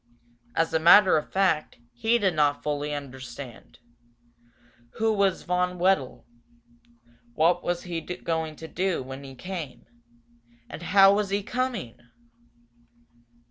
As a matter of fact, he did not fully understand. Who was Von Wedel? What was he going to do when he came? And how was he coming?